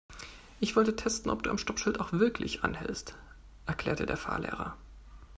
Ich wollte testen, ob du am Stoppschild auch wirklich anhältst, erklärte der Fahrlehrer.